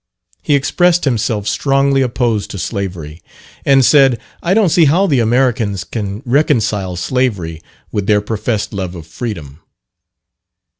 He expressed himself strongly opposed to slavery, and said, "I don't see how the Americans can reconcile slavery with their professed love of freedom."